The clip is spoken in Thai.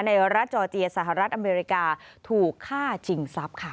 รัฐจอร์เจียสหรัฐอเมริกาถูกฆ่าชิงทรัพย์ค่ะ